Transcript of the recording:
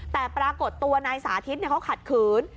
แต่ปรากฏตัวนายสาธิตเขาขัดขืน